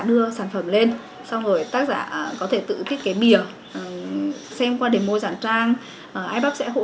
đưa sản phẩm lên xong rồi tác giả có thể tự thiết kế bìa xem qua đề mô giảng trang ipap sẽ hỗ